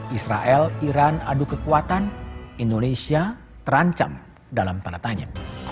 israel iran adu kekuatan indonesia terancam dalam tanda tanya